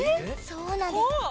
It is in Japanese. そうなんです。